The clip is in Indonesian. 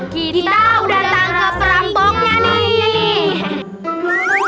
kita udah tangkap perampoknya nih